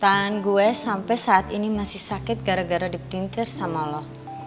tahan gue sampe saat ini masih sakit gara gara dipdintir sama lo